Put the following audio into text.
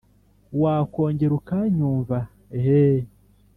wakongera ukanyumva eeeh